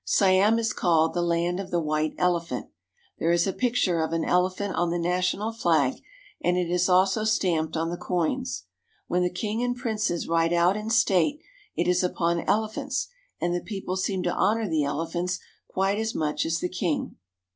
Siam is called the "Land of the White Elephant." There is a picture of an elephant on the national flag, and it is also stamped on the coins. When the king and princes ride out in state, it is upon ele phants, and the people seem to honor the elephants quite as much as the king.